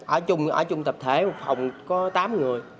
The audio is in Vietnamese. ở chung tập thể một phòng có tám người